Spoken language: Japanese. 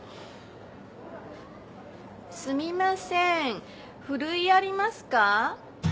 すみませんふるいありますか？